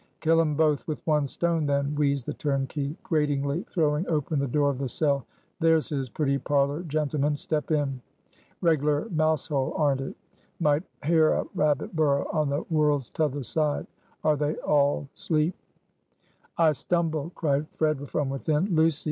"Kill 'em both with one stone, then," wheezed the turnkey, gratingly throwing open the door of the cell. "There's his pretty parlor, gentlemen; step in. Reg'lar mouse hole, arn't it? Might hear a rabbit burrow on the world's t'other side; are they all 'sleep?" "I stumble!" cried Fred, from within; "Lucy!